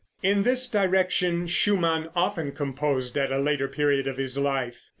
In this direction Schumann often composed at a later period of his life.